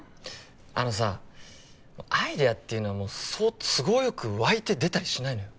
あのさアイデアっていうのはそう都合よく湧いて出たりしないのよ